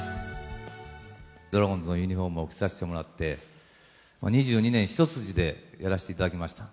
ドラゴンズのユニホームを着させてもらって、２２年一筋でやらせていただきました。